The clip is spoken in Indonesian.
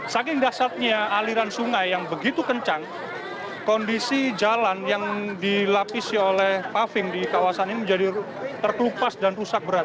saking dasarnya aliran sungai yang begitu kencang kondisi jalan yang dilapisi oleh paving di kawasan ini menjadi terkelupas dan rusak berat